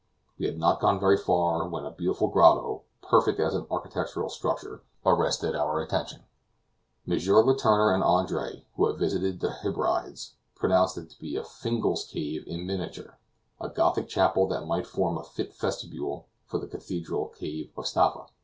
We had not gone very far when a beautiful grotto, perfect as an architectural structure, arrested our attention. M. Letourneur and Andre, who have visited the Hebrides, pronounced it to be a Fingal's cave in miniature; a Gothic chapel that might form a fit vestibule for the cathedral cave of Staffa.